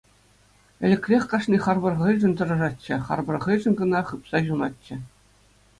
Ӗлӗкрех кашни харпӑр хӑйшӗн тӑрӑшатчӗ, харпӑр хӑйшӗн кӑна хыпса ҫунатчӗ.